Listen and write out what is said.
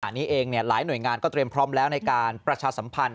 อันนี้เองหลายหน่วยงานก็เตรียมพร้อมแล้วในการประชาสัมพันธ